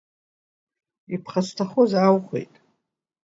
Иԥхасҭахоз ааухәеит.